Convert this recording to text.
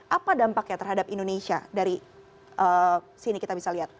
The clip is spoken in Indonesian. apa dampaknya terhadap indonesia dari sini kita bisa lihat